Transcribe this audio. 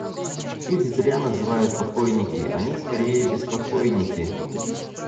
Их зря называют покойники, они скорее беспокойники.